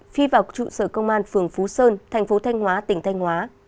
phi vào trụ sở công an phường phú sơn thành phố thanh hóa tỉnh thanh hóa